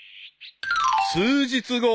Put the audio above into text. ［数日後］